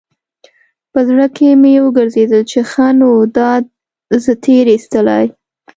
په زړه کښې مې وګرځېدل چې ښه نو دا زه تېر ايستلى.